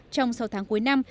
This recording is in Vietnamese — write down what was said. trong sáu tháng cuối năm